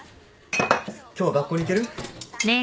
今日は学校に行ける？